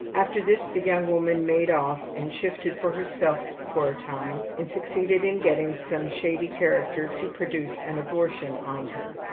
After this the young woman made off and shifted for herself for a time, and succeeded in getting some shady character to produce an abortion on her.